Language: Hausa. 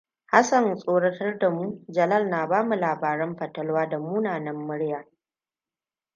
Hassan tsoratan da mu, Jalal na bamu labaran fatalwa da mumunan murya.